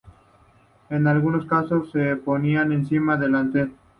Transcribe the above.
En algunos casos se ponían encima delantales.